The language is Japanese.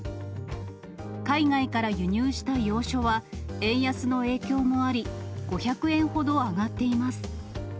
海外から輸入した洋書は、円安の影響もあり、５００円ほど上がっています。